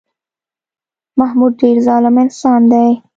محمود ډېر ظالم انسان دی